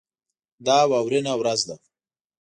دا واورینه ورځ ده.